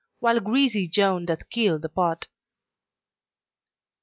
While greasy Joan doth keel the pot.